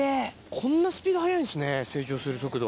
こんなスピード速いんですね成長する速度。